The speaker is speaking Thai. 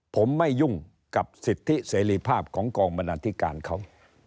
ผมไม่ยุ่งกับสิทธิเสรีภาพของกองบรรณาธิการเขา